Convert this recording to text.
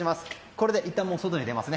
これでいったん外に出ます。